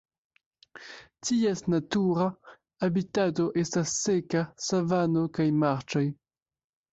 Ties natura habitato estas seka savano kaj marĉoj.